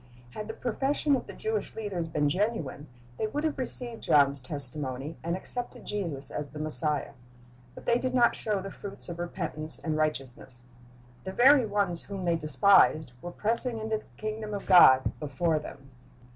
Had the profession of the Jewish leaders been genuine, they would have received John's testimony, and accepted Jesus as the Messiah. But they did not show the fruits of repentance and righteousness. The very ones whom they despised were pressing into the kingdom of God before them.